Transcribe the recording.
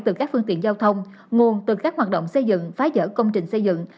từ các phương tiện giao thông nguồn từ các hoạt động xây dựng phá dở công trình xây dựng